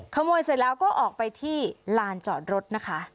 ขโมยเสร็จแล้วก็ออกไปที่ลานจอดรถนะคะ